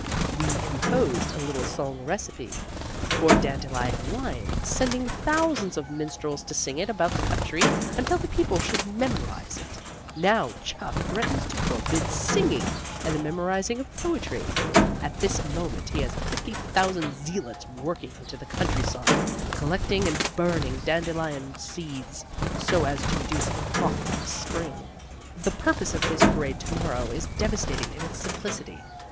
"We composed a little song recipe for dandelion wine, sending thousands of minstrels to sing it about the country until the people should memorize it. Now Chuff threatens to forbid singing and the memorizing of poetry. At this moment he has fifty thousand zealots working in the countryside collecting and burning dandelion seeds so as to reduce the crop next spring. "The purpose of his parade to morrow is devastating in its simplicity.